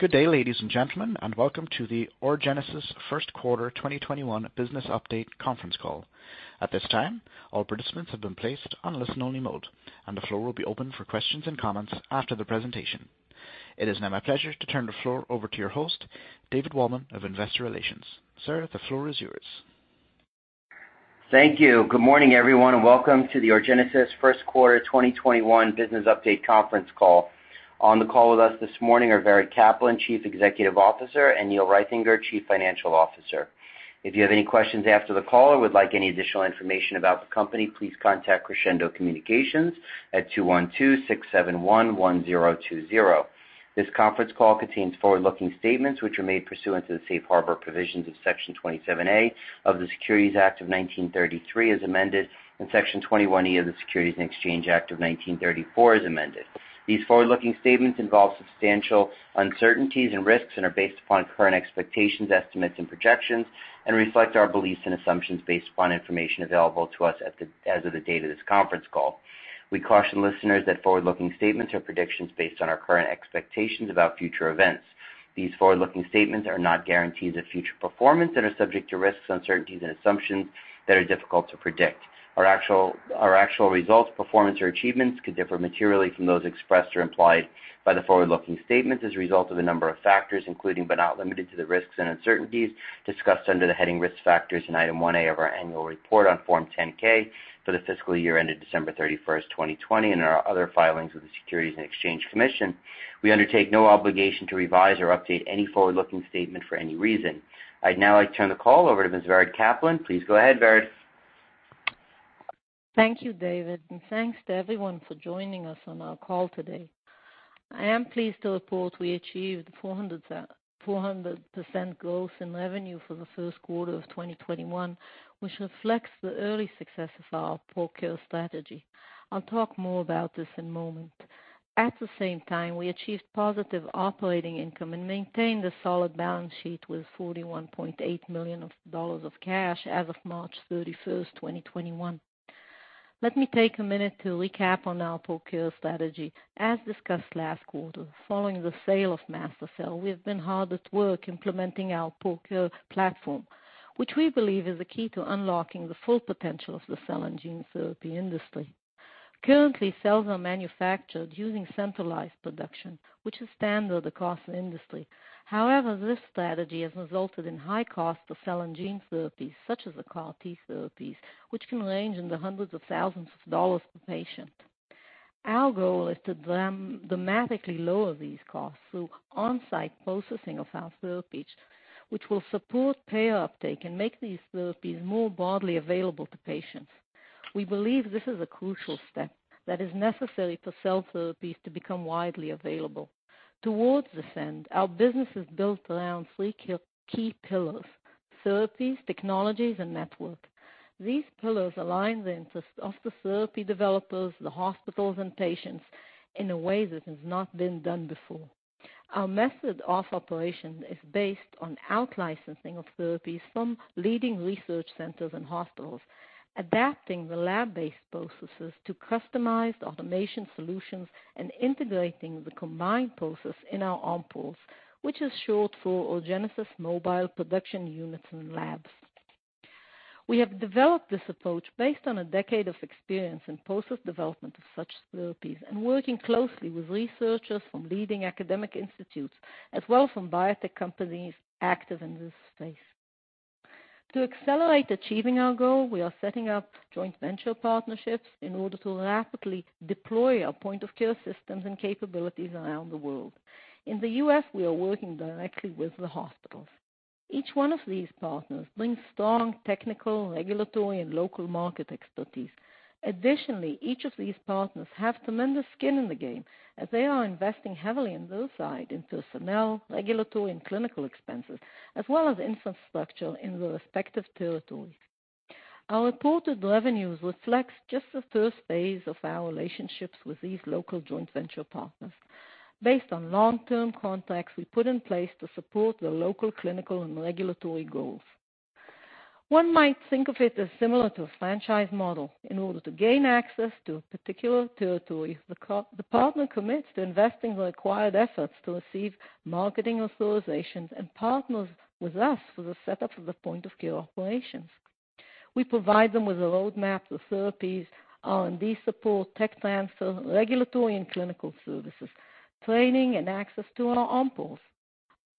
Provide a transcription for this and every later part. Good day, ladies and gentlemen, and welcome to the Orgenesis First Quarter 2021 Business Update conference call. At this time, all participants have been placed on listen-only mode, and the floor will be open for questions and comments after the presentation. It is now my pleasure to turn the floor over to your host, David Waldman of Investor Relations. Sir, the floor is yours. Thank you. Good morning, everyone, and welcome to the Orgenesis First Quarter 2021 Business Update conference call. On the call with us this morning are Vered Caplan, Chief Executive Officer, and Neil Reithinger, Chief Financial Officer. If you have any questions after the call or would like any additional information about the company, please contact Crescendo Communications at 212-671-1020. This conference call contains forward-looking statements, which are made pursuant to the safe harbor provisions of Section 27A of the Securities Act of 1933 as amended, and Section 21E of the Securities Exchange Act of 1934 as amended. These forward-looking statements involve substantial uncertainties and risks and are based upon current expectations, estimates, and projections and reflect our beliefs and assumptions based upon information available to us as of the date of this conference call. We caution listeners that forward-looking statements are predictions based on our current expectations about future events. These forward-looking statements are not guarantees of future performance and are subject to risks, uncertainties, and assumptions that are difficult to predict. Our actual results, performance, or achievements could differ materially from those expressed or implied by the forward-looking statements as a result of a number of factors, including but not limited to the risks and uncertainties discussed under the heading Risk Factors in Item 1A of our annual report on Form 10-K for the fiscal year ended December 31st, 2020, and in our other filings with the Securities and Exchange Commission. We undertake no obligation to revise or update any forward-looking statement for any reason. I'd now like to turn the call over to Ms. Vered Caplan. Please go ahead, Vered. Thank you, David, and thanks to everyone for joining us on our call today. I am pleased to report we achieved 400% growth in revenue for the first quarter of 2021, which reflects the early success of our POCare strategy. I'll talk more about this in a moment. At the same time, we achieved positive operating income and maintained a solid balance sheet with $41.8 million of cash as of March 31st, 2021. Let me take a minute to recap on our POCare strategy. As discussed last quarter, following the sale of Masthercell, we have been hard at work implementing our POCare platform, which we believe is the key to unlocking the full potential of the cell and gene therapy industry. Currently, cells are manufactured using centralized production, which is standard across the industry. However, this strategy has resulted in high cost of cell and gene therapies, such as the CAR T therapies, which can range in the hundreds of thousands of dollars per patient. Our goal is to dramatically lower these costs through on-site processing of our therapies, which will support payer uptake and make these therapies more broadly available to patients. We believe this is a crucial step that is necessary for cell therapies to become widely available. Towards this end, our business is built around three key pillars: therapies, technologies, and network. These pillars align the interests of the therapy developers, the hospitals, and patients in a way that has not been done before. Our method of operation is based on out-licensing of therapies from leading research centers and hospitals, adapting the lab-based processes to customized automation solutions, and integrating the combined process in our OMPULs, which is short for Orgenesis Mobile Production Units and Labs. We have developed this approach based on a decade of experience in process development of such therapies and working closely with researchers from leading academic institutes as well as from biotech companies active in this space. To accelerate achieving our goal, we are setting up joint venture partnerships in order to rapidly deploy our point-of-care systems and capabilities around the world. In the U.S., we are working directly with the hospitals. Each one of these partners brings strong technical, regulatory, and local market expertise. Each of these partners have tremendous skin in the game, as they are investing heavily on their side in personnel, regulatory, and clinical expenses, as well as infrastructure in their respective territories. Our reported revenues reflects just the first phase of our relationships with these local joint venture partners based on long-term contracts we put in place to support their local clinical and regulatory goals. One might think of it as similar to a franchise model. In order to gain access to a particular territory, the partner commits to investing the required efforts to receive marketing authorizations and partners with us for the setup of the point-of-care operations. We provide them with a roadmap to therapies, R&D support, tech transfer, regulatory and clinical services, training, and access to our OMPULs.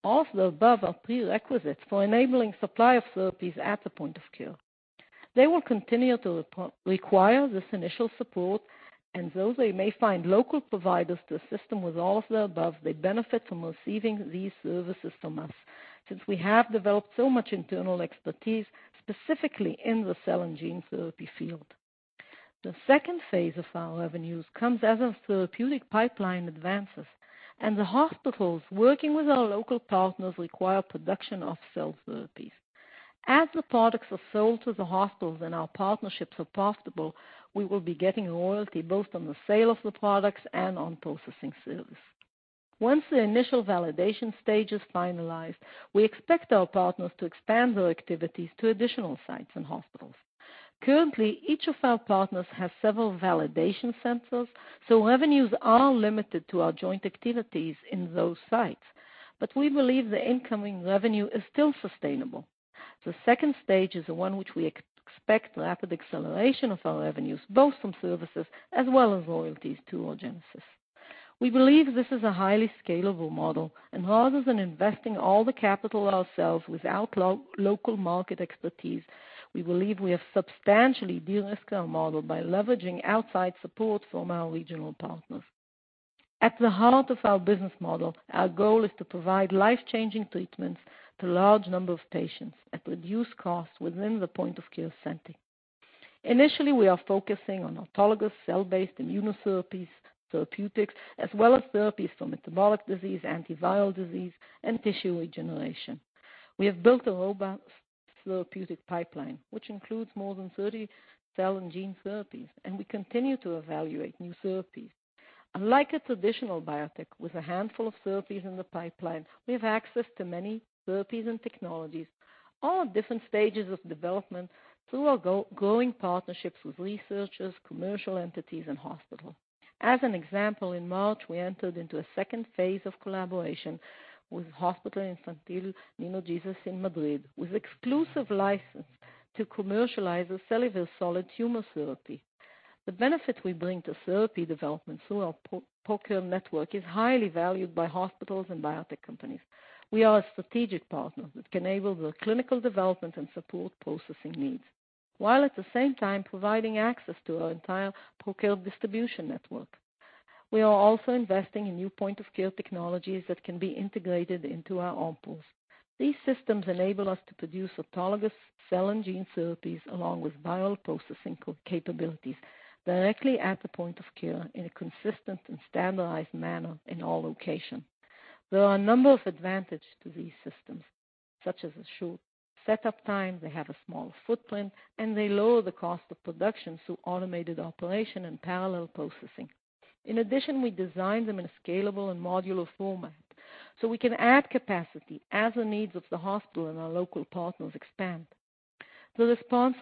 All of the above are prerequisites for enabling supply of therapies at the point-of-care. They will continue to require this initial support, and though they may find local providers to assist them with all of the above, they benefit from receiving these services from us since we have developed so much internal expertise specifically in the cell and gene therapy field. The second phase of our revenues comes as our therapeutic pipeline advances and the hospitals working with our local partners require production of cell therapies. As the products are sold to the hospitals and our partnerships are profitable, we will be getting a royalty both on the sale of the products and on processing service. Once the initial validation stage is finalized, we expect our partners to expand their activities to additional sites and hospitals. Currently, each of our partners has several validation centers, so revenues are limited to our joint activities in those sites. We believe the incoming revenue is still sustainable. The second stage is the one which we expect rapid acceleration of our revenues, both from services as well as royalties to Orgenesis. We believe this is a highly scalable model, and rather than investing all the capital ourselves without local market expertise, we believe we have substantially de-risked our model by leveraging outside support from our regional partners. At the heart of our business model, our goal is to provide life-changing treatments to large number of patients at reduced cost within the point-of-care setting. Initially, we are focusing on autologous cell-based immunotherapies, therapeutics, as well as therapies for metabolic disease, antiviral disease, and tissue regeneration. We have built a robust therapeutic pipeline, which includes more than 30 cell and gene therapies, and we continue to evaluate new therapies. Unlike a traditional biotech with a handful of therapies in the pipeline, we have access to many therapies and technologies, all at different stages of development through our growing partnerships with researchers, commercial entities, and hospitals. As an example, in March, we entered into a second phase of collaboration with Hospital Infantil Universitario Niño Jesús in Madrid with exclusive license to commercialize a cellular solid tumor therapy. The benefit we bring to therapy development through our point-of-care network is highly valued by hospitals and biotech companies. We are a strategic partner that can enable the clinical development and support processing needs, while at the same time providing access to our entire point-of-care distribution network. We are also investing in new point-of-care technologies that can be integrated into our OMPULs. These systems enable us to produce autologous cell and gene therapies, along with viral processing capabilities, directly at the point-of-care in a consistent and standardized manner in all locations. There are a number of advantage to these systems, such as a short setup time, they have a small footprint, they lower the cost of production through automated operation and parallel processing. In addition, we designed them in a scalable and modular format so we can add capacity as the needs of the hospital and our local partners expand. The response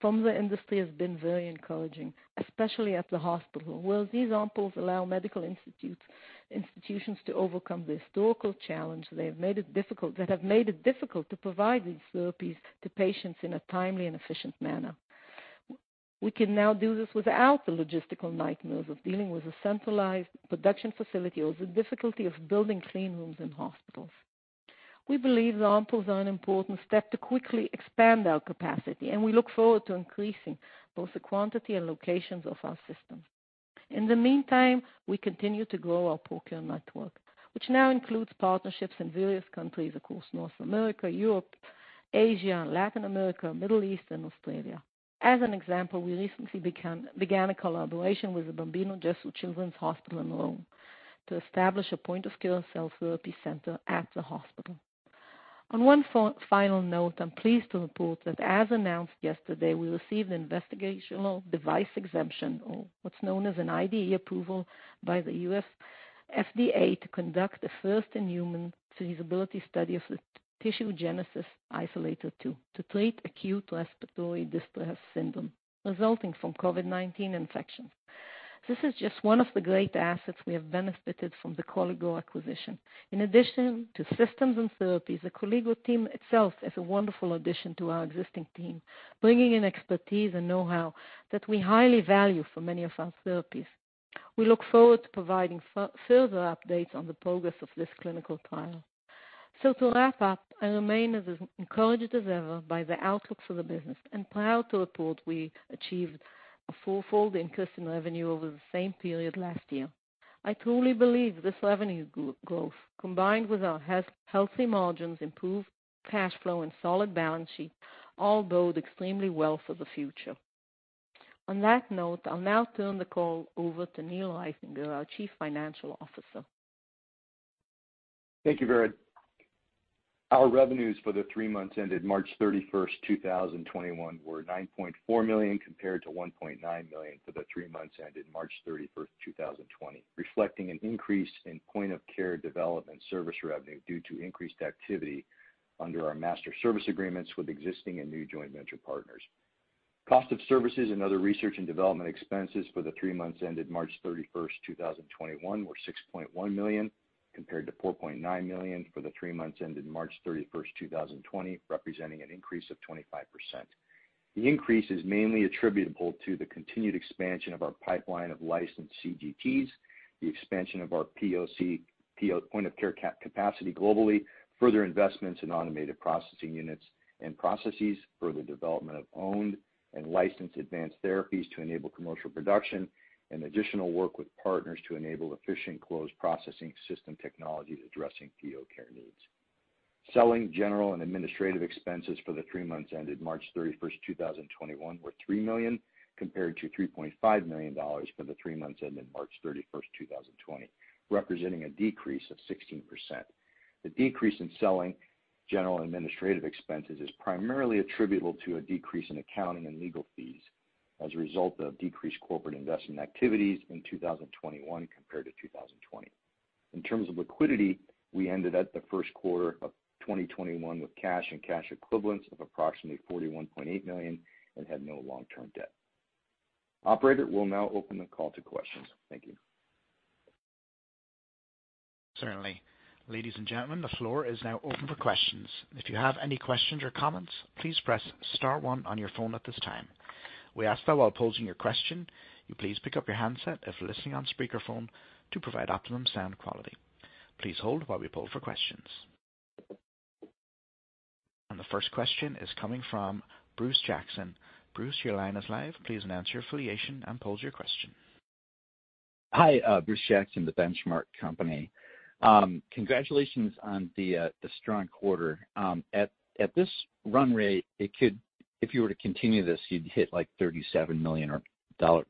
from the industry has been very encouraging, especially at the hospital, where these OMPULs allow medical institutions to overcome the historical challenge that have made it difficult to provide these therapies to patients in a timely and efficient manner. We can now do this without the logistical nightmares of dealing with a centralized production facility or the difficulty of building clean rooms in hospitals. We believe the OMPULs are an important step to quickly expand our capacity, and we look forward to increasing both the quantity and locations of our systems. In the meantime, we continue to grow our point-of-care network, which now includes partnerships in various countries across North America, Europe, Asia, Latin America, Middle East, and Australia. As an example, we recently began a collaboration with the Bambino Gesù Children's Hospital in Rome to establish a point-of-care cell therapy center at the hospital. On one final note, I'm pleased to report that, as announced yesterday, we received an investigational device exemption, or what's known as an IDE approval, by the U.S. FDA to conduct the first-in-human feasibility study of the Tissue Genesis Icellator2 to treat acute respiratory distress syndrome resulting from COVID-19 infections. This is just one of the great assets we have benefited from the Koligo acquisition. In addition to systems and therapies, the Koligo team itself is a wonderful addition to our existing team, bringing in expertise and know-how that we highly value for many of our therapies. We look forward to providing further updates on the progress of this clinical trial. To wrap up, I remain as encouraged as ever by the outlook for the business and proud to report we achieved a four-fold increase in revenue over the same period last year. I truly believe this revenue growth, combined with our healthy margins, improved cash flow, and solid balance sheet, all bode extremely well for the future. On that note, I'll now turn the call over to Neil Reithinger, our Chief Financial Officer. Thank you, Vered. Our revenues for the three months ended March 31st, 2021, were $9.4 million, compared to $1.9 million for the three months ended March 31st, 2020, reflecting an increase in point-of-care development service revenue due to increased activity under our master service agreements with existing and new joint venture partners. Cost of services and other research and development expenses for the three months ended March 31st, 2021, were $6.1 million, compared to $4.9 million for the three months ended March 31st, 2020, representing an increase of 25%. The increase is mainly attributable to the continued expansion of our pipeline of licensed CGTs, the expansion of our POC, point-of-care capacity globally, further investments in automated processing units and processes, further development of owned and licensed advanced therapies to enable commercial production, and additional work with partners to enable efficient closed processing system technologies addressing point-of-care needs. Selling, general, and administrative expenses for the three months ended March 31, 2021, were $3 million, compared to $3.5 million for the three months ended March 31, 2020, representing a decrease of 16%. The decrease in selling, general, and administrative expenses is primarily attributable to a decrease in accounting and legal fees as a result of decreased corporate investment activities in 2021 compared to 2020. In terms of liquidity, we ended at the first quarter of 2021 with cash and cash equivalents of approximately $41.8 million and had no long-term debt. Operator, we'll now open the call to questions. Thank you. Certainly. Ladies and gentlemen, the floor is now open for questions. If you have any questions or comments, please press star one on your phone at this time. We ask that while posing your question, you please pick up your handset if you're listening on speaker phone to provide optimum sound quality. Please hold while we poll for questions. The first question is coming from Bruce Jackson. Bruce, your line is live. Please announce your affiliation and pose your question. Hi, Bruce Jackson, The Benchmark Company. Congratulations on the strong quarter. At this run rate, if you were to continue this, you'd hit like $37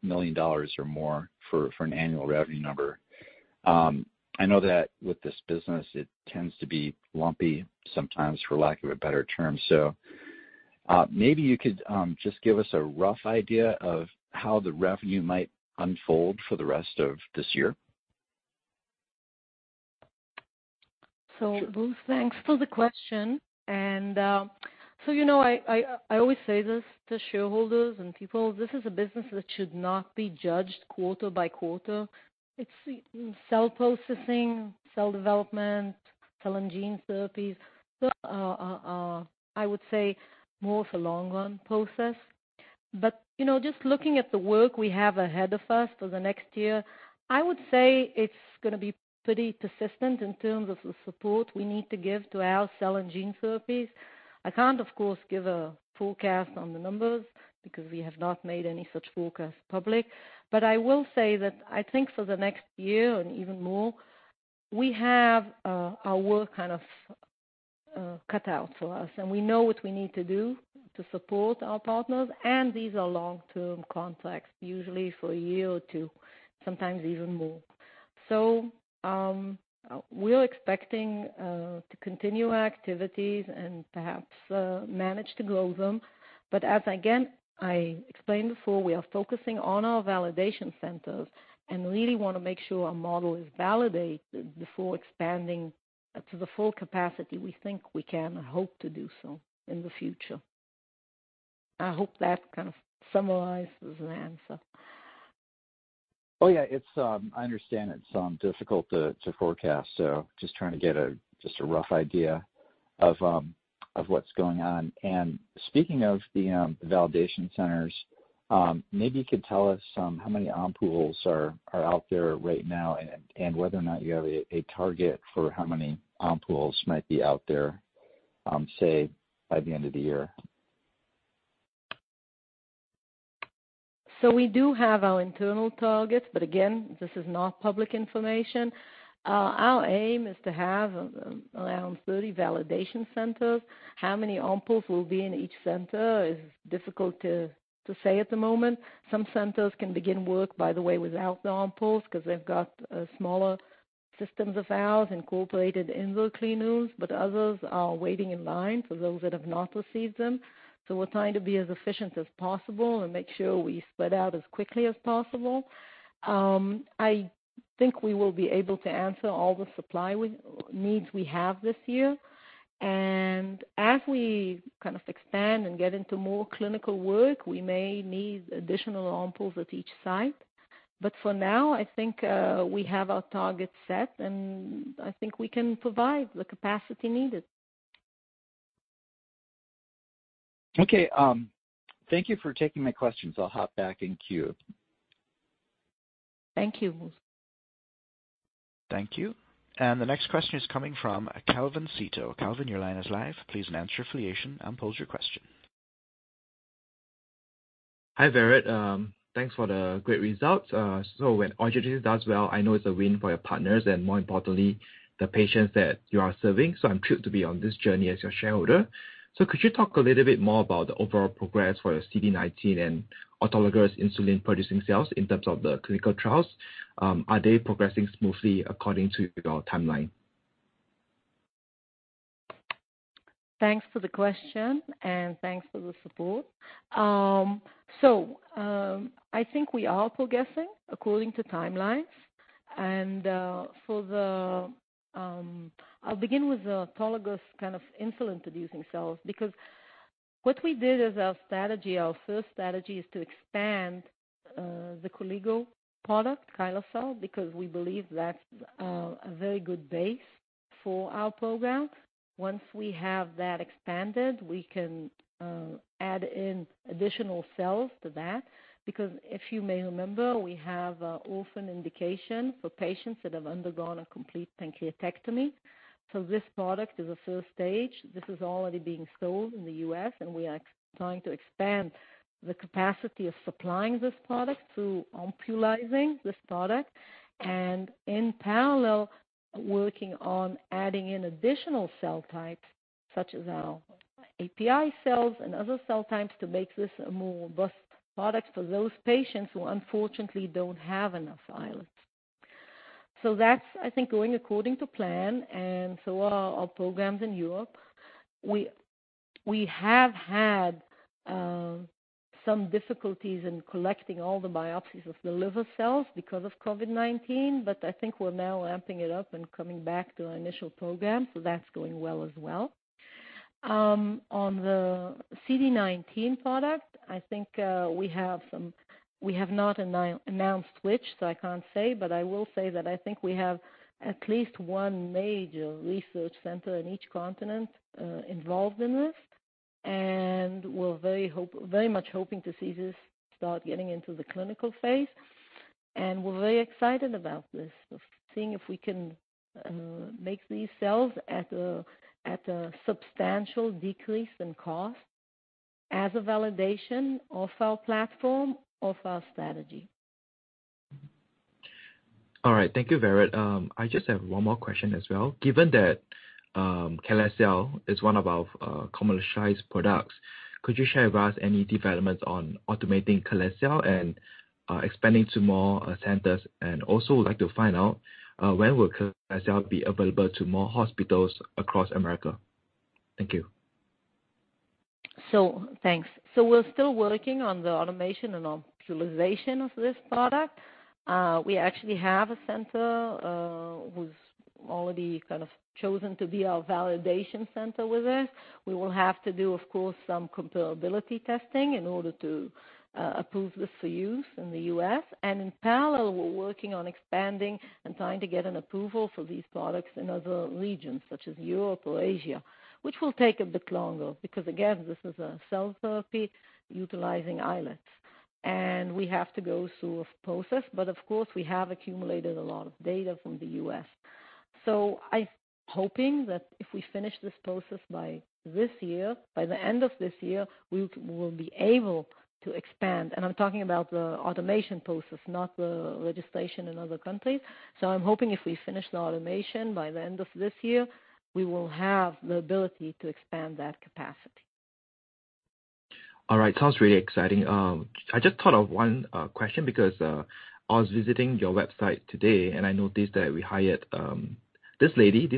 million or more for an annual revenue number. I know that with this business, it tends to be lumpy sometimes, for lack of a better term. Maybe you could just give us a rough idea of how the revenue might unfold for the rest of this year. Bruce, thanks for the question. I always say this to shareholders and people, this is a business that should not be judged quarter by quarter. It's cell processing, cell development, cell and gene therapies. Those are, I would say, more of a long-run process. Just looking at the work we have ahead of us for the next year, I would say it's going to be pretty persistent in terms of the support we need to give to our cell and gene therapies. I can't, of course, give a forecast on the numbers because we have not made any such forecast public. I will say that I think for the next year and even more, we have our work cut out for us, and we know what we need to do to support our partners, and these are long-term contracts, usually for a year or two, sometimes even more. We're expecting to continue our activities and perhaps manage to grow them. As, again, I explained before, we are focusing on our validation centers and really want to make sure our model is validated before expanding to the full capacity we think we can and hope to do so in the future. I hope that kind of summarizes an answer. Oh, yeah. I understand it's difficult to forecast, so just trying to get just a rough idea of what's going on. Speaking of the validation centers, maybe you could tell us how many OMPULs are out there right now and whether or not you have a target for how many OMPULs might be out there, say by the end of the year. We do have our internal targets, but again, this is not public information. Our aim is to have around 30 validation centers. How many OMPULs will be in each center is difficult to say at the moment. Some centers can begin work, by the way, without the OMPULs because they've got smaller systems of ours incorporated in their clean rooms, but others are waiting in line for those that have not received them. We're trying to be as efficient as possible and make sure we spread out as quickly as possible. I think we will be able to answer all the supply needs we have this year. As we expand and get into more clinical work, we may need additional OMPULs at each site. For now, I think we have our targets set and I think we can provide the capacity needed. Okay. Thank you for taking my questions. I'll hop back in queue. Thank you, Bruce. Thank you. The next question is coming from Calvin Sito. Calvin, your line is live. Please announce your affiliation and pose your question. Hi, Vered. Thanks for the great results. When Orgenesis does well, I know it's a win for your partners and more importantly, the patients that you are serving, so I'm thrilled to be on this journey as your shareholder. Could you talk a little bit more about the overall progress for your CD19 and autologous Insulin Producing cells in terms of the clinical trials? Are they progressing smoothly according to your timeline? Thanks for the question, and thanks for the support. I think we are progressing according to timelines. I'll begin with the Autologous Insulin Producing cells, because what we did as our strategy, our first strategy is to expand the Koligo product, KYSLECEL, because we believe that's a very good base for our program. Once we have that expanded, we can add in additional cells to that, because if you may remember, we have orphan indication for patients that have undergone a complete pancreatectomy. This product is a first stage. This is already being sold in the U.S., and we are trying to expand the capacity of supplying this product through OMPULizing this product, and in parallel, working on adding in additional cell types such as our AIP cells and other cell types to make this a more robust product for those patients who unfortunately don't have enough islets. That's, I think, going according to plan, and so are our programs in Europe. We have had some difficulties in collecting all the biopsies of the liver cells because of COVID-19, but I think we're now ramping it up and coming back to our initial program, so that's going well as well. On the CD19 product, I think we have not announced which, so I can't say, but I will say that I think we have at least one major research center in each continent involved in this, and we're very much hoping to see this start getting into the clinical phase. We're very excited about this, of seeing if we can make these cells at a substantial decrease in cost as a validation of our platform, of our strategy. All right. Thank you, Vered. I just have one more question as well. Given that KYSLECEL is one of our commercialized products, could you share with us any developments on automating KYSLECEL and expanding to more centers? Also like to find out when will KYSLECEL be available to more hospitals across America. Thank you. Thanks. We're still working on the automation and optimization of this product. We actually have a center who's already kind of chosen to be our validation center with this. We will have to do, of course, some comparability testing in order to approve this for use in the U.S. In parallel, we're working on expanding and trying to get an approval for these products in other regions such as Europe or Asia, which will take a bit longer because, again, this is a cell therapy utilizing islets. We have to go through a process. Of course, we have accumulated a lot of data from the U.S. I'm hoping that if we finish this process by the end of this year, we will be able to expand. I'm talking about the automation process, not the legislation in other countries. I'm hoping if we finish the automation by the end of this year, we will have the ability to expand that capacity. All right. Sounds really exciting. I just thought of one question because I was visiting your website today, and I noticed that we hired this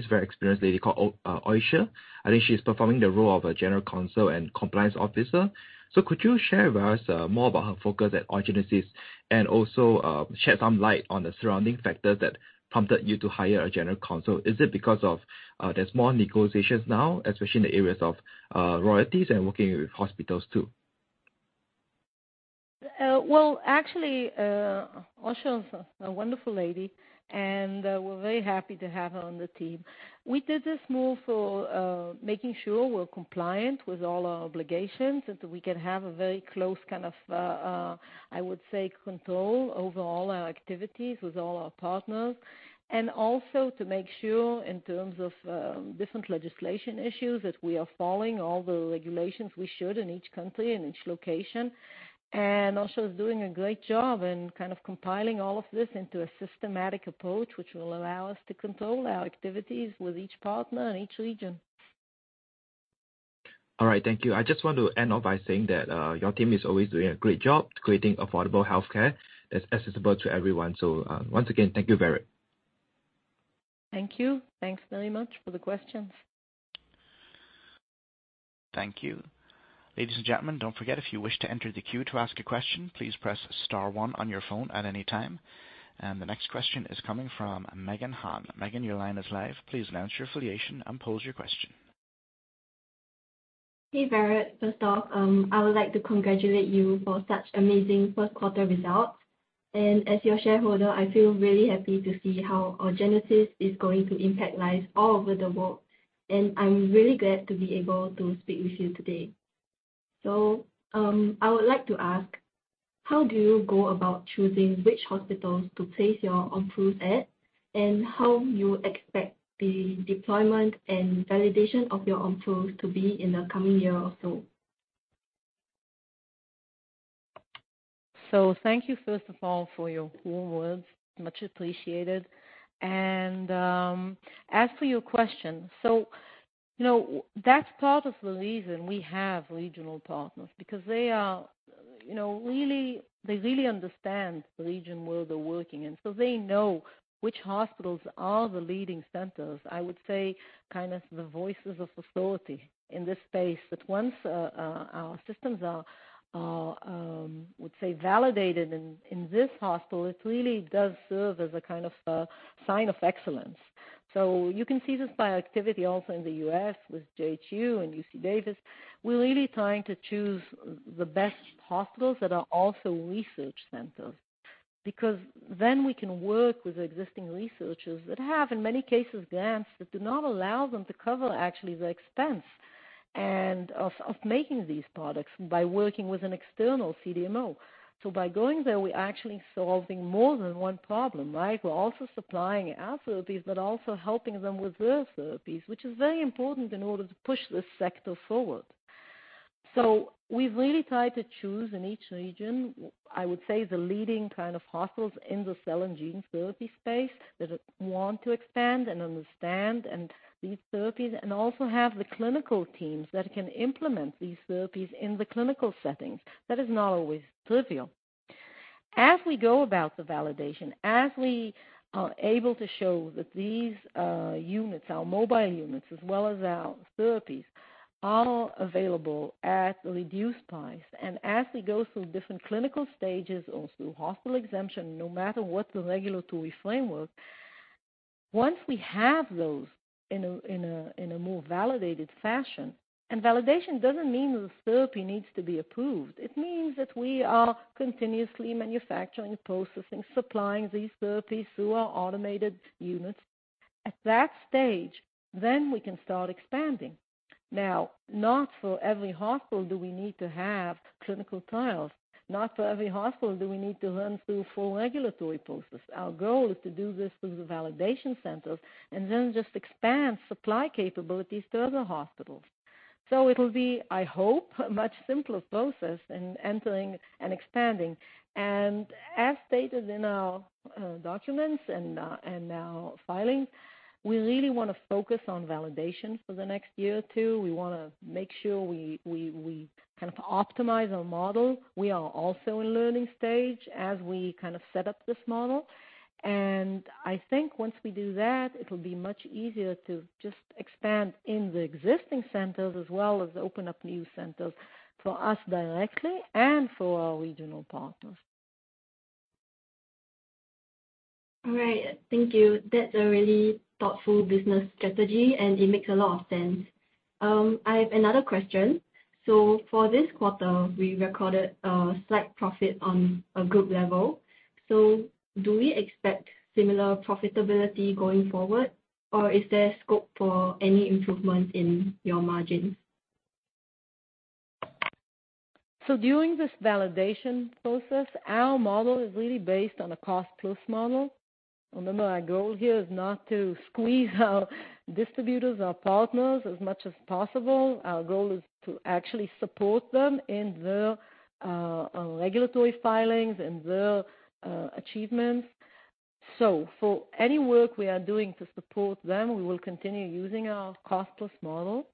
very experienced lady called Ayesha. I think she's performing the role of a general counsel and compliance officer. Could you share with us more about her focus at Orgenesis, and also shed some light on the surrounding factors that prompted you to hire a general counsel? Is it because there's more negotiations now, especially in the areas of royalties and working with hospitals, too? Well, actually, Ayesha is a wonderful lady, and we're very happy to have her on the team. We did this move for making sure we're compliant with all our obligations, and so we can have a very close kind of, I would say, control over all our activities with all our partners, and also to make sure in terms of different legislation issues, that we are following all the regulations we should in each country, in each location. Ayesha's doing a great job in kind of compiling all of this into a systematic approach, which will allow us to control our activities with each partner in each region. All right. Thank you. I just want to end off by saying that your team is always doing a great job creating affordable healthcare that's accessible to everyone. Once again, thank you, Vered. Thank you. Thanks very much for the questions. Thank you. Ladies and gentlemen, don't forget, if you wish to enter the queue to ask a question, please press star one on your phone at any time. The next question is coming from Megan Han. Megan, your line is live. Please announce your affiliation and pose your question. Hey, Vered. First off, I would like to congratulate you for such amazing first quarter results. As your shareholder, I feel really happy to see how Orgenesis is going to impact lives all over the world. I'm really glad to be able to speak with you today. I would like to ask, how do you go about choosing which hospitals to place your OMPULs at, and how you expect the deployment and validation of your OMPULs to be in the coming year or so? Thank you first of all for your warm words. Much appreciated. As for your question, that's part of the reason we have regional partners, because they really understand the region where they're working in. They know which hospitals are the leading centers, I would say kind of the voices of authority in this space, that once our systems are, I would say, validated in this hospital, it really does serve as a kind of a sign of excellence. You can see this by activity also in the U.S. with JHU and UC Davis. We're really trying to choose the best hospitals that are also research centers, because then we can work with existing researchers that have, in many cases, grants that do not allow them to cover actually the expense of making these products by working with an external CDMO. By going there, we're actually solving more than one problem, right? We're also supplying our therapies, but also helping them with their therapies, which is very important in order to push this sector forward. We've really tried to choose in each region, I would say, the leading kind of hospitals in the cell and gene therapy space that want to expand and understand these therapies, and also have the clinical teams that can implement these therapies in the clinical settings. That is not always trivial. As we go about the validation, as we are able to show that these units, our mobile units, as well as our therapies, are available at reduced price, and as we go through different clinical stages or through hospital exemption, no matter what the regulatory framework, once we have those in a more validated fashion, and validation doesn't mean the therapy needs to be approved. It means that we are continuously manufacturing, processing, supplying these therapies through our automated units. At that stage, then we can start expanding. Now, not for every hospital do we need to have clinical trials. Not for every hospital do we need to run through full regulatory process. Our goal is to do this through the validation centers and then just expand supply capabilities to other hospitals. It will be, I hope, a much simpler process in entering and expanding. As stated in our documents and our filing, we really want to focus on validation for the next year or two. We want to make sure we kind of optimize our model. We are also in learning stage as we set up this model. I think once we do that, it will be much easier to just expand in the existing centers as well as open up new centers for us directly and for our regional partners. All right. Thank you. That's a really thoughtful business strategy, and it makes a lot of sense. I have another question. For this quarter, we recorded a slight profit on a group level. Do we expect similar profitability going forward, or is there scope for any improvement in your margin? During this validation process, our model is really based on a cost-plus model. Remember, our goal here is not to squeeze our distributors, our partners, as much as possible. Our goal is to actually support them in their regulatory filings and their achievements. For any work we are doing to support them, we will continue using our cost-plus model.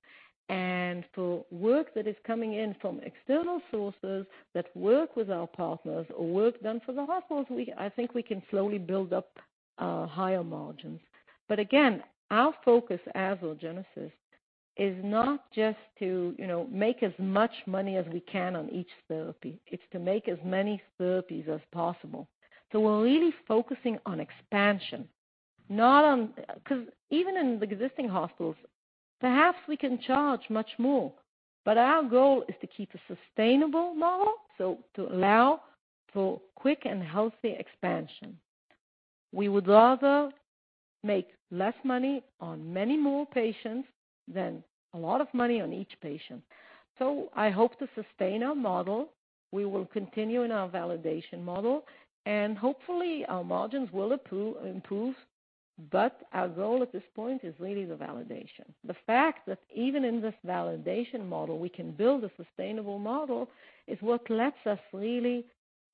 For work that is coming in from external sources that work with our partners or work done for the hospitals, I think we can slowly build up higher margins. Again, our focus as Orgenesis is not just to make as much money as we can on each therapy. It's to make as many therapies as possible. We're really focusing on expansion. Because even in the existing hospitals, perhaps we can charge much more, but our goal is to keep a sustainable model, so to allow for quick and healthy expansion. We would rather make less money on many more patients than a lot of money on each patient. I hope to sustain our model. We will continue in our validation model, and hopefully, our margins will improve. Our goal at this point is really the validation. The fact that even in this validation model, we can build a sustainable model is what lets us really,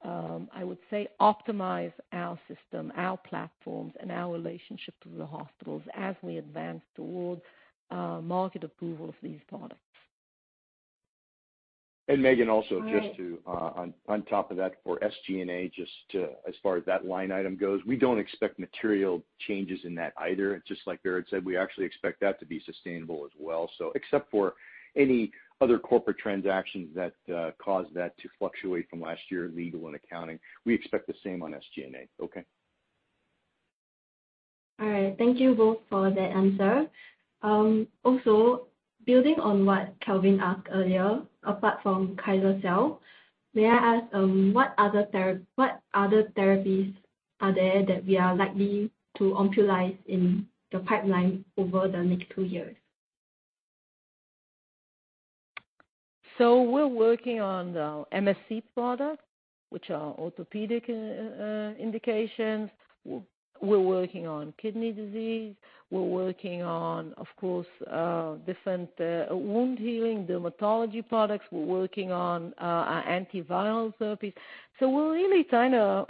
I would say, optimize our system, our platforms, and our relationship to the hospitals as we advance toward market approval of these products. Megan. All right. On top of that, for SG&A, as far as that line item goes, we don't expect material changes in that either. Just like Vered said, we actually expect that to be sustainable as well. Except for any other corporate transactions that cause that to fluctuate from last year, legal and accounting, we expect the same on SG&A. Okay. All right. Thank you both for that answer. Building on what Calvin asked earlier, apart from KYSLECEL, may I ask, what other therapies are there that we are likely to OMPUL in the pipeline over the next two years? We're working on the MSC product, which are orthopedic indications. We're working on kidney disease. We're working on, of course, different wound healing dermatology products. We're working on our antiviral therapies. We're really trying to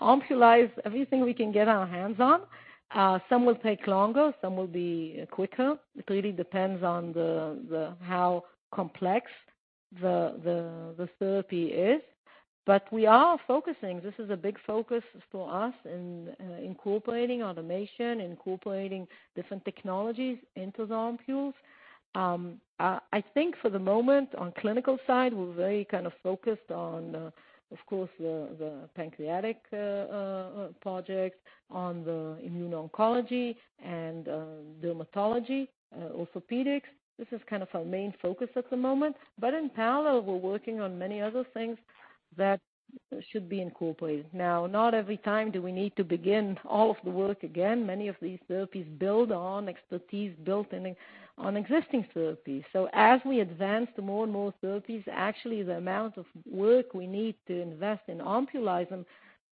OMPUL everything we can get our hands on. Some will take longer, some will be quicker. It really depends on how complex the therapy is. We are focusing, this is a big focus for us in incorporating automation, incorporating different technologies into the OMPULs. I think for the moment, on clinical side, we're very focused on, of course, the pancreatic project, on the immuno-oncology and dermatology, orthopedics. This is kind of our main focus at the moment. In parallel, we're working on many other things that should be incorporated. Not every time do we need to begin all of the work again. Many of these therapies build on expertise, build on existing therapies. As we advance to more and more therapies, actually the amount of work we need to invest in OMPULizing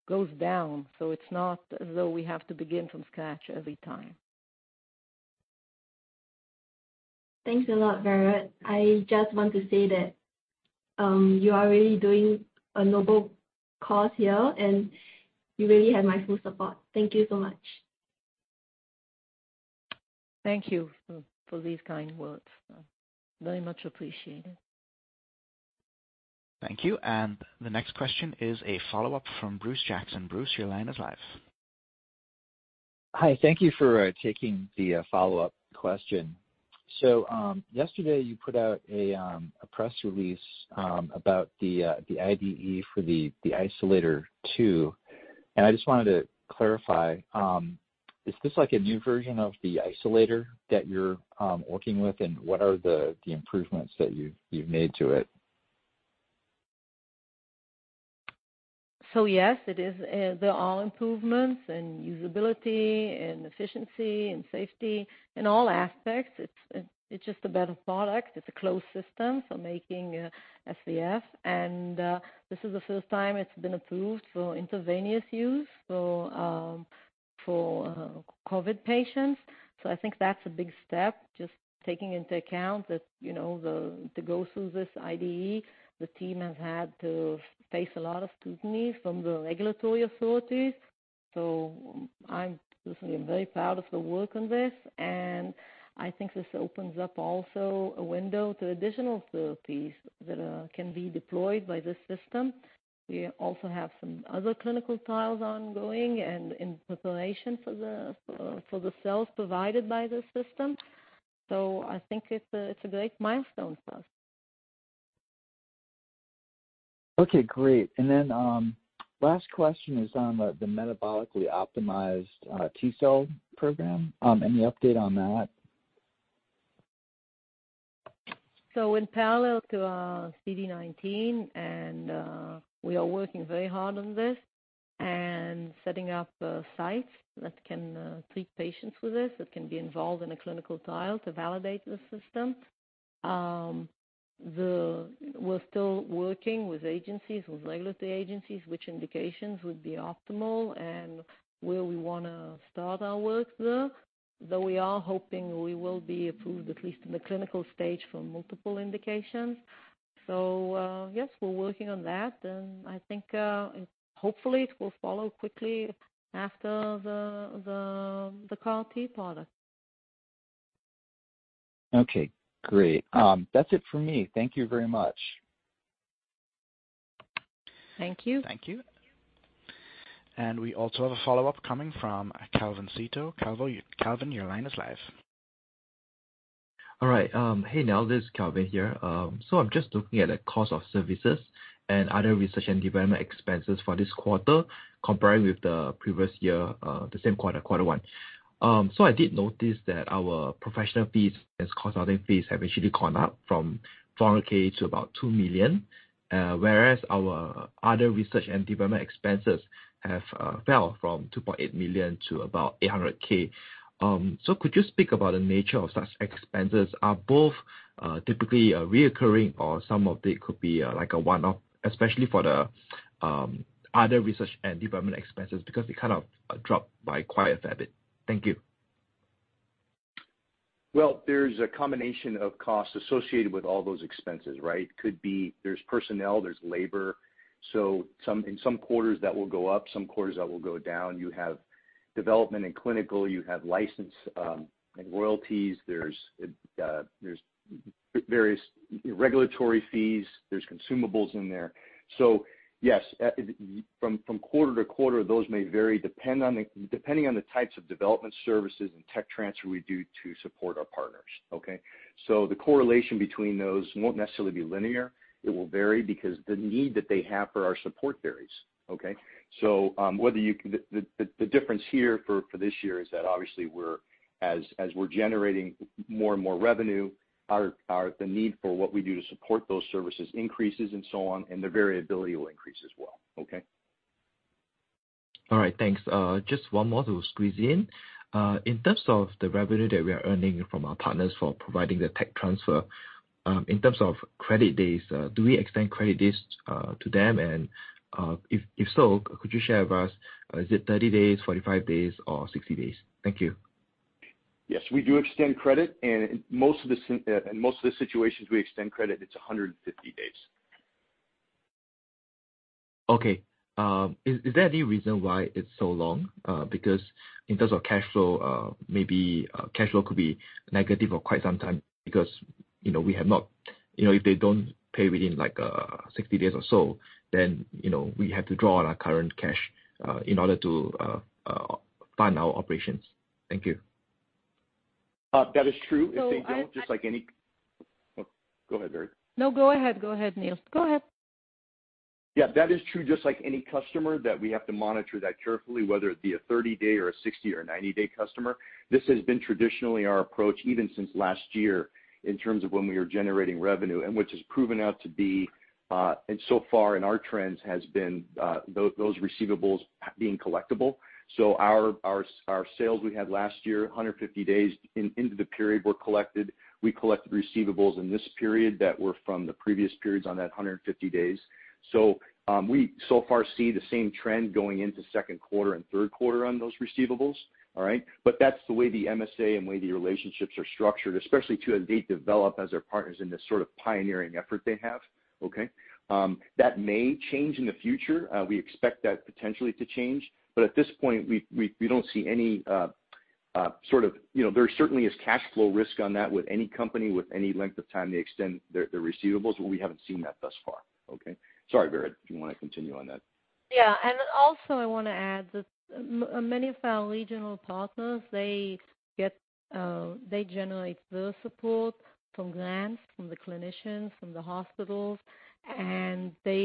goes down. It's not as though we have to begin from scratch every time. Thanks a lot, Vered. I just want to say that you are really doing a noble cause here. You really have my full support. Thank you so much. Thank you for these kind words. Very much appreciated. Thank you. The next question is a follow-up from Bruce Jackson. Bruce, your line is live. Hi. Thank you for taking the follow-up question. Yesterday, you put out a press release about the IDE for the Icellator2, and I just wanted to clarify, is this like a new version of the Icellator that you're working with, and what are the improvements that you've made to it? Yes, they're all improvements in usability, in efficiency, in safety, in all aspects. It's just a better product. It's a closed system for making SVF, and this is the first time it's been approved for intravenous use for COVID patients. I think that's a big step, just taking into account that to go through this IDE, the team has had to face a lot of scrutiny from the regulatory authorities. I'm personally very proud of the work on this, and I think this opens up also a window to additional therapies that can be deployed by this system. We also have some other clinical trials ongoing and in preparation for the cells provided by this system. I think it's a great milestone for us. Okay, great. Last question is on the metabolically optimized T-cell program. Any update on that? In parallel to our CD19, and we are working very hard on this and setting up sites that can treat patients with this, that can be involved in a clinical trial to validate the system. We're still working with agencies, with regulatory agencies, which indications would be optimal and where we want to start our work there, though we are hoping we will be approved at least in the clinical stage for multiple indications. Yes, we're working on that, and I think hopefully it will follow quickly after the CAR T product. Okay, great. That's it for me. Thank you very much. Thank you. Thank you. We also have a follow-up coming from Calvin Sito. Calvin, your line is live. All right. Hey, Neil, this is Calvin here. I'm just looking at the cost of services and other research and development expenses for this quarter comparing with the previous year, the same quarter one. I did notice that our professional fees and consulting fees have actually gone up from $400K to about $2 million, whereas our other research and development expenses have fell from $2.8 million to about $800K. Could you speak about the nature of such expenses? Are both typically reoccurring or some of it could be like a one-off, especially for the other research and development expenses, because they kind of dropped by quite a fair bit. Thank you. Well, there's a combination of costs associated with all those expenses, right? Could be there's personnel, there's labor. In some quarters that will go up, some quarters that will go down. You have development and clinical, you have license and royalties. There's various regulatory fees, there's consumables in there. Yes, from quarter to quarter, those may vary depending on the types of development services and tech transfer we do to support our partners. Okay? The correlation between those won't necessarily be linear. It will vary because the need that they have for our support varies. Okay? The difference here for this year is that obviously as we're generating more and more revenue, the need for what we do to support those services increases and so on, and the variability will increase as well. Okay? All right, thanks. Just one more to squeeze in. In terms of the revenue that we are earning from our partners for providing the tech transfer, in terms of credit days, do we extend credit days to them? If so, could you share with us, is it 30 days, 45 days or 60 days? Thank you. Yes, we do extend credit and in most of the situations we extend credit, it's 150 days. Okay. Is there any reason why it's so long? In terms of cash flow, maybe cash flow could be negative for quite some time because if they don't pay within like 60 days or so, then we have to draw on our current cash in order to fund our operations. Thank you. That is true if they don't just like Go ahead, Vered. No, go ahead. Go ahead, Neil. Go ahead. Yeah, that is true just like any customer that we have to monitor that carefully, whether it be a 30-day or a 60 or 90-day customer. This has been traditionally our approach even since last year in terms of when we were generating revenue and which has proven out to be, and so far in our trends has been those receivables being collectible. Our sales we had last year, 150 days into the period were collected. We collected receivables in this period that were from the previous periods on that 150 days. We so far see the same trend going into second quarter and third quarter on those receivables. All right? That's the way the MSA and way the relationships are structured, especially as they develop as our partners in this sort of pioneering effort they have. Okay? That may change in the future. We expect that potentially to change, but at this point, we don't see any. There certainly is cash flow risk on that with any company, with any length of time they extend their receivables, but we haven't seen that thus far. Okay? Sorry, Vered, if you want to continue on that. Yeah. I want to add that many of our regional partners, they generate bill support from grants, from the clinicians, from the hospitals, and they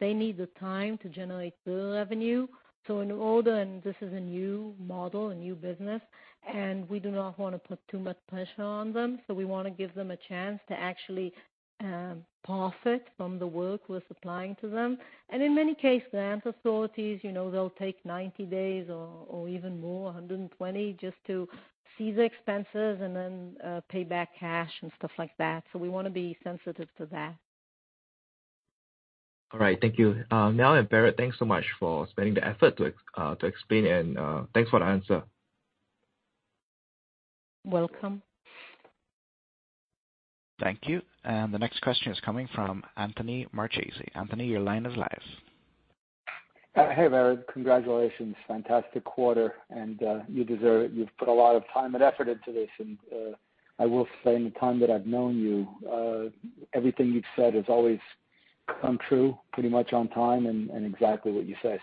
need the time to generate bill revenue. This is a new model, a new business, and we do not want to put too much pressure on them. We want to give them a chance to actually profit from the work we're supplying to them. In many cases, grant authorities, they'll take 90 days or even more, 120, just to see the expenses and then pay back cash and stuff like that. We want to be sensitive to that. All right. Thank you. Vered, thanks so much for spending the effort to explain and thanks for the answer. Welcome. Thank you. The next question is coming from Anthony Marchese. Anthony, your line is live. Hey, Vered. Congratulations. Fantastic quarter, and you deserve it. You've put a lot of time and effort into this, and I will say in the time that I've known you, everything you've said has always come true pretty much on time and exactly what you say.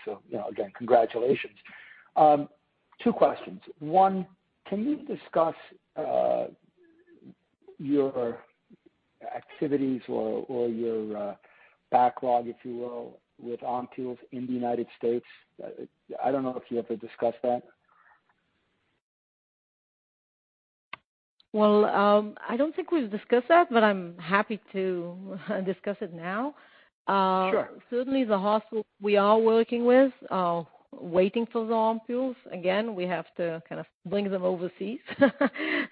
Again, congratulations. Two questions. One, can you discuss your activities or your backlog, if you will, with OMPULs in the U.S.? I don't know if you ever discussed that. Well, I don't think we've discussed that, but I'm happy to discuss it now. Sure. Certainly the hospital we are working with are waiting for the OMPULs. We have to kind of bring them overseas,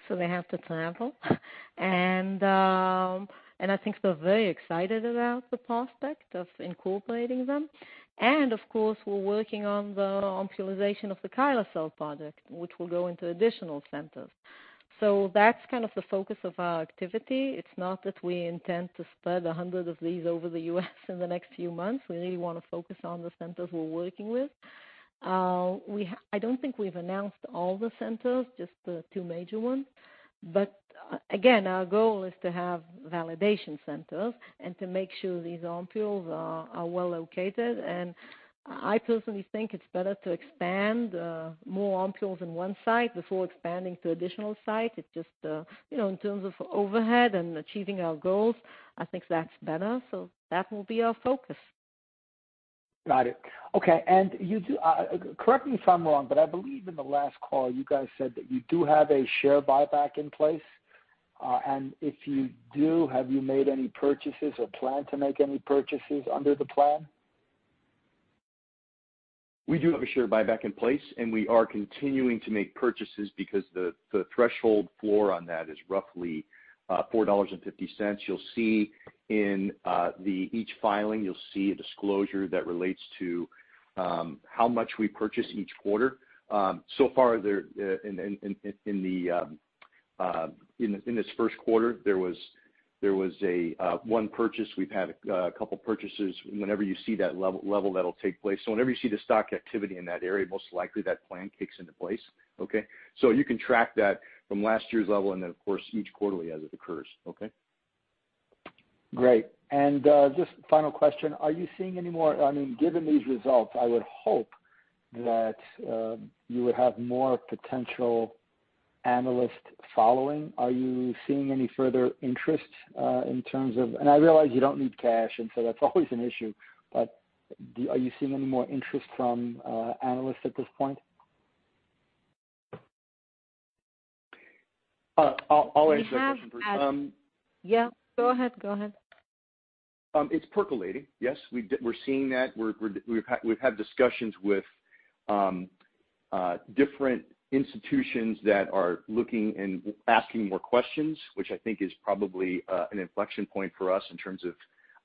so they have to travel. I think they're very excited about the prospect of incorporating them. Of course, we're working on the OMPULization of the KYSLECEL product, which will go into additional centers. That's kind of the focus of our activity. It's not that we intend to spread 100 of these over the U.S. in the next few months. We really want to focus on the centers we're working with. I don't think we've announced all the centers, just the two major ones. Again, our goal is to have validation centers and to make sure these OMPULs are well located. I personally think it's better to expand more OMPULs in one site before expanding to additional sites. It's just, in terms of overhead and achieving our goals, I think that's better. That will be our focus. Got it. Okay. Correct me if I'm wrong, but I believe in the last call, you guys said that you do have a share buyback in place. If you do, have you made any purchases or plan to make any purchases under the plan? We do have a share buyback in place, and we are continuing to make purchases because the threshold floor on that is roughly $4.50. You'll see in each filing, you'll see a disclosure that relates to how much we purchase each quarter. So far, in this first quarter, there was one purchase. We've had a couple purchases. Whenever you see that level, that'll take place. Whenever you see the stock activity in that area, most likely that plan kicks into place. Okay? You can track that from last year's level and then of course, each quarterly as it occurs. Okay? Great. Just final question, are you seeing any more, given these results, I would hope that you would have more potential analyst following? Are you seeing any further interest in terms of, and I realize you don't need cash, and so that's always an issue, but are you seeing any more interest from analysts at this point? I'll answer that question. Yeah, go ahead. It's percolating. Yes. We're seeing that. We've had discussions with different institutions that are looking and asking more questions, which I think is probably an inflection point for us in terms of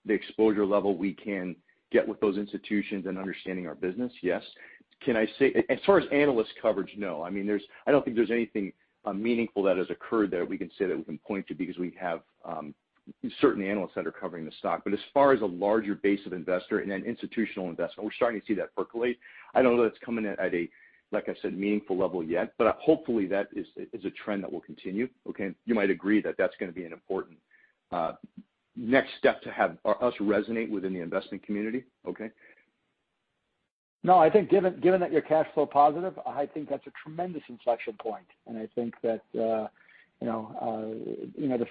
the exposure level we can get with those institutions and understanding our business, yes. Can I say, as far as analyst coverage, no. I don't think there's anything meaningful that has occurred that we can say that we can point to because we have certain analysts that are covering the stock. As far as a larger base of investor and an institutional investor, we're starting to see that percolate. I don't know that it's coming in at a, like I said, meaningful level yet, but hopefully that is a trend that will continue. Okay? You might agree that that's going to be an important next step to have us resonate within the investment community. Okay? I think given that you're cash flow positive, I think that's a tremendous inflection point, and I think that the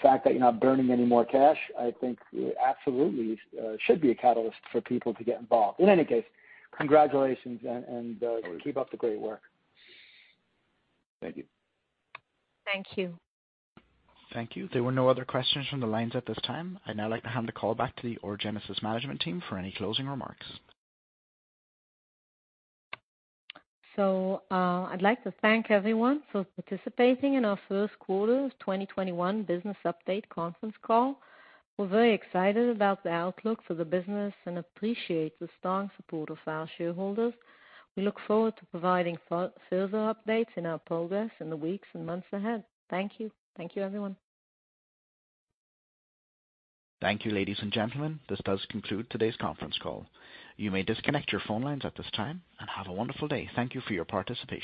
fact that you're not burning any more cash, I think absolutely should be a catalyst for people to get involved. In any case, congratulations and keep up the great work. Thank you. Thank you. Thank you. There were no other questions from the lines at this time. I'd now like to hand the call back to the Orgenesis management team for any closing remarks. I'd like to thank everyone for participating in our first quarter 2021 business update conference call. We're very excited about the outlook for the business and appreciate the strong support of our shareholders. We look forward to providing further updates in our progress in the weeks and months ahead. Thank you. Thank you, everyone. Thank you, ladies and gentlemen. This does conclude today's conference call. You may disconnect your phone lines at this time, and have a wonderful day. Thank you for your participation.